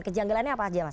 kejanggalannya apa saja mas